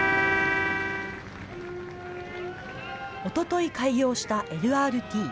おととい開業したＬＲＴ。